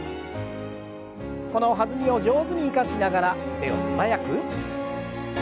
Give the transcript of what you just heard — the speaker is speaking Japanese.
この弾みを上手に生かしながら腕を素早く。